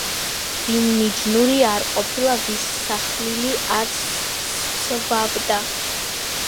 ვინ მიჯნური არ ყოფილა ვის სახმილი არს სწვავდა.